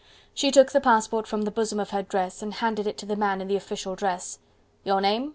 She took the passport from the bosom of her dress and handed it to the man in the official dress. "Your name?"